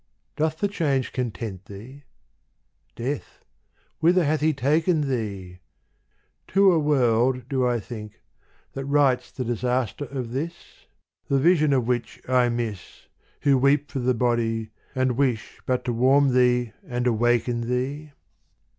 doth the change content thee? — Death, whither hath he taken thee ? To a world, do I think, that rights the disaster of this > The vision of which I miss, THE POEMS OF MR. BRIDGES. Who weep for the body, and wish but to warm thee and awaken thee